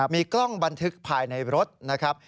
มีกล้องบันทึกภายในรถนะครับ